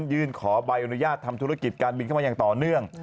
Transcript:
ยื่นขอใบอนุญาตทำธุรกิจการบินเข้ามาอย่างต่อเนื่อง